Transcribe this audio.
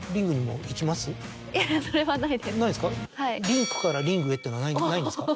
リンクからリングへっていうのはないんですか？